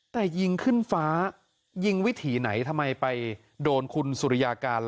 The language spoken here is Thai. แต่ยิงขึ้นฟ้ายิงวิถีไหนทำไมไปโดนคุณสุริยาการล่ะ